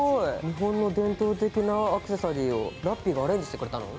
日本の伝統的なアクセサリーをラッピィがアレンジしてくれたの？